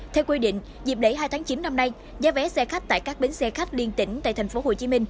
theo quy định dịp đẩy hai tháng chín năm nay giá vé xe khách tại các bến xe khách liên tỉnh tại tp hcm